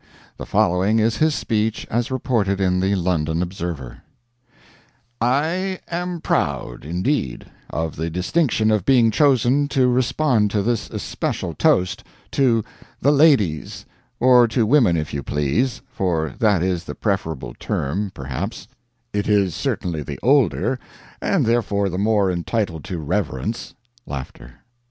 The following is his speech as reported in the London Observer: I am proud, indeed, of the distinction of being chosen to respond to this especial toast, to 'The Ladies,' or to women if you please, for that is the preferable term, perhaps; it is certainly the older, and therefore the more entitled to reverence [Laughter.